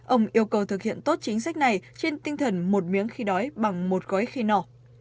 ông yêu cầu thực hiện tốt chính sách này trên tinh thần một miếng khi đói bằng một gói khi nỏ